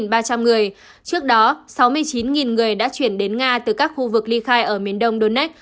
trước đó sáu mươi chín người đã chuyển đến nga từ các khu vực ly khai ở miền đông donets